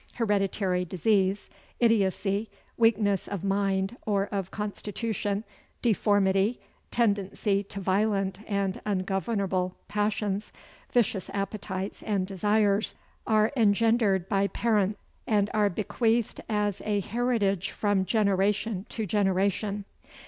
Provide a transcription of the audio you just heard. Hereditary disease, idiocy, weakness of mind, or of constitution, deformity, tendency to violent and ungovernable passions, vicious appetites and desires, are engendered by parents; and are bequeathed as a heritage from generation to generation.